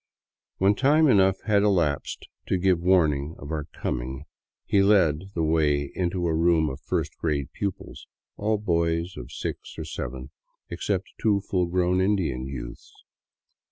When time enough had elapsed to give warning of our coming, he led the way into a room of first grade pupils, — all boys of six or seven, except two full grown Indian youths.